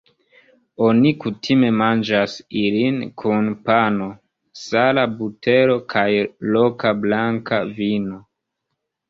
Oni kutime manĝas ilin kun pano, sala butero kaj loka blanka vino.